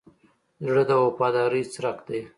زړه د وفادارۍ څرک دی.